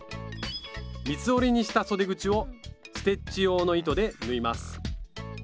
三つ折りにしたそで口をステッチ用の糸で縫います。